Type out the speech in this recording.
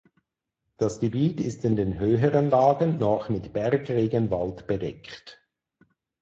Das Gebiet ist in den höheren Lagen noch mit Bergregenwald bedeckt.